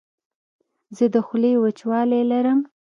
زه د خولې وچوالی لرم.